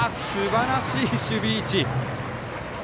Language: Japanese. すばらしい守備位置！